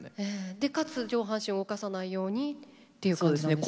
でかつ上半身を動かさないようにっていう感じなんですね。